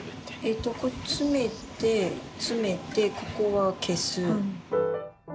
詰めて詰めてここは消す。